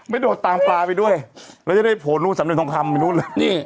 โดดตามปลาไปด้วยแล้วจะได้โผล่นู้นสำเร็จทองคำไปนู่นเลยนี่